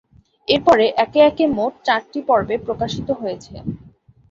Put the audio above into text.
এরপর একে একে মোট চারটি পর্বে প্রকাশিত হয়েছে।